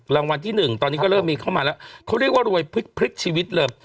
รางวัลที่หนึ่งตอนนี้ก็เริ่มมีเข้ามาแล้วเขาเรียกว่ารวยพลิกชีวิตเลย